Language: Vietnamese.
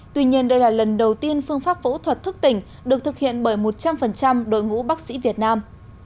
tuy nhiên đây là lần đầu tiên phương pháp phẫu thuật thức tỉnh được thực hiện bởi một trăm linh đội ngũ bác sĩ việt nam